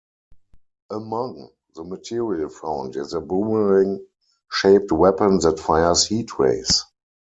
Among the material found is a boomerang-shaped weapon that fires Heat-Rays.